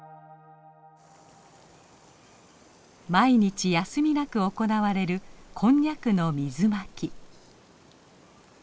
毎日休みなく行われるこんにゃくの水まき。